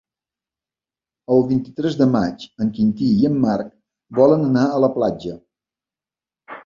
El vint-i-tres de maig en Quintí i en Marc volen anar a la platja.